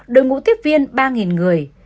đội ngũ tiếp viên ba người